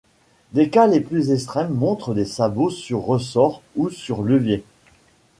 Les cas les plus extrêmes montrent des sabots sur ressorts ou sur levier.